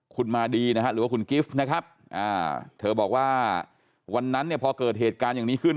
คุณมาดีนะฮะหรือว่าคุณกิฟต์นะครับเธอบอกว่าวันนั้นเนี่ยพอเกิดเหตุการณ์อย่างนี้ขึ้น